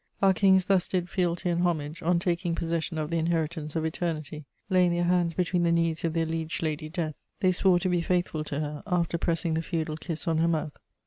Our kings thus did fealty and homage on taking possession of the inheritance of Eternity: laying their hands between the knees of their liege lady, Death, they swore to be faithful to her, after pressing the feudal kiss on her mouth.